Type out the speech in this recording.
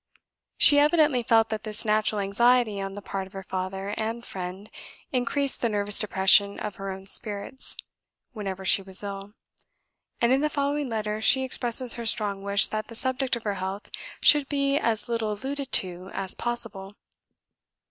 She evidently felt that this natural anxiety on the part of her father and friend increased the nervous depression of her own spirits, whenever she was ill; and in the following letter she expresses her strong wish that the subject of her health should be as little alluded to as possible.